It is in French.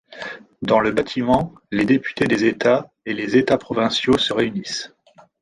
Dans le bâtiment, les députés des États et les États provinciaux se réunissent.